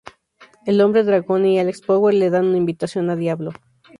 El Hombre Dragón y Alex Power le dan una invitación a Diablo.